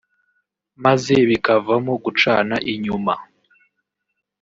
maze bikavamo gucana inyuma